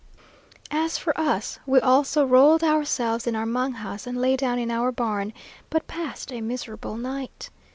As for us, we also rolled ourselves in our mangas, and lay down in our barn, but passed a miserable night.